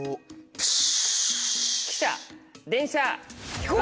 プシュ。